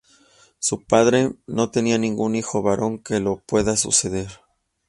Su padre no tenía ningún hijo varón que lo pueda suceder.